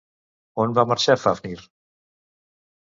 On va marxar Fafnir?